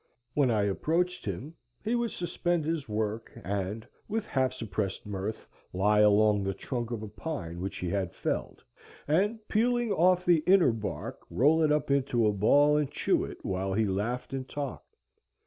When I approached him he would suspend his work, and with half suppressed mirth lie along the trunk of a pine which he had felled, and, peeling off the inner bark, roll it up into a ball and chew it while he laughed and talked.